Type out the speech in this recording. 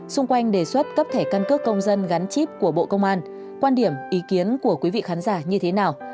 xung quanh đề xuất cấp thẻ căn cước công dân gắn chip của bộ công an quan điểm ý kiến của quý vị khán giả như thế nào